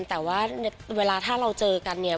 แต่ว่าเวลาถ้าเราเจอกันเนี่ย